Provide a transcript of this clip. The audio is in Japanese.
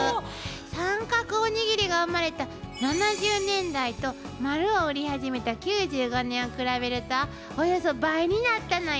三角おにぎりが生まれた７０年代と丸を売り始めた９５年を比べるとおよそ倍になったのよ。